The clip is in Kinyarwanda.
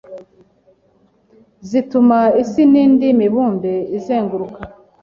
zituma Isi nindi mibumbe izenguruka